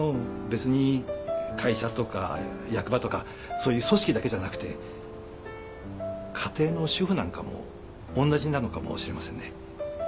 別に会社とか役場とかそういう組織だけじゃなくて家庭の主婦なんかもおんなじなのかもしれませんね。